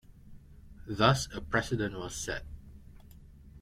Thus, a precedent was set.